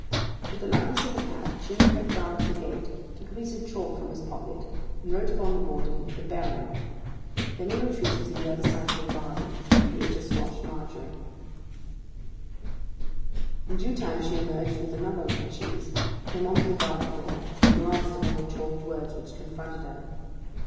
With the lightness of a cat Jim crept round to the gate, took a piece of chalk from his pocket, and wrote upon the boarding 'The Baron.' Then he retreated to the other side of the garden where he had just watched Margery. In due time she emerged with another little cheese, came on to the garden door, and glanced upon the chalked words which confronted her.